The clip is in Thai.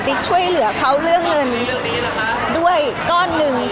ช่วยเหลือเขาเรื่องเงินด้วยก้อนหนึ่ง